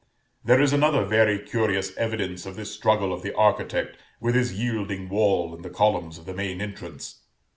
There is another very curious evidence of this struggle of the architect with his yielding wall in the columns of the main entrance.